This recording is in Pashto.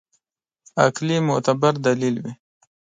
عقلي معتبر دلیل وي.